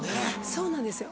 そうなんですよ。